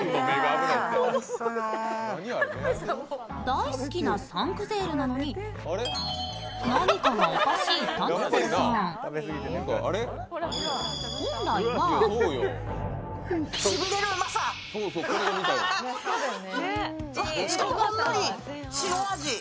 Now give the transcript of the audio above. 大好きなサンクゼールなのに、何かがおかしい田辺さん。